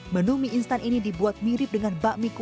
menu mie instan ini dibuat mirip dengan bakmi kuah